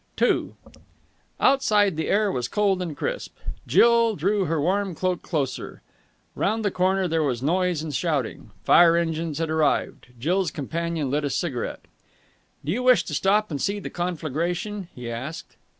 II Outside, the air was cold and crisp. Jill drew her warm cloak closer. Round the corner there was noise and shouting. Fire engines had arrived. Jill's companion lit a cigarette. "Do you wish to stop and see the conflagration?" he asked.